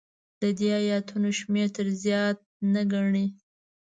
د دې ایتونو شمېر تر زیات نه ګڼي.